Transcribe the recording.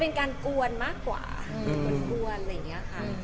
เป็นการกวนอะไรอย่างนี้ค่ะ